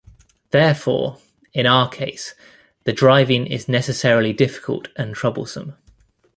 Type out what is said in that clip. Therefore in our case the driving is necessarily difficult and troublesome.